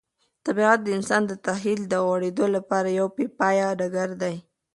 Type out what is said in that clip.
طبیعت د انسان د تخیل د غوړېدو لپاره یو بې پایه ډګر دی.